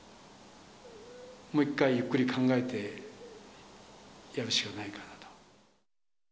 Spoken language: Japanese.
もう一回、ゆっくり考えて、やるしかないかなと。